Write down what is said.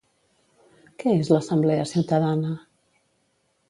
Què és l'Assemblea Ciutadana?